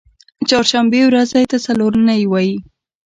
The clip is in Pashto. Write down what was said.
چهارشنبې ورځی ته څلور نۍ وایی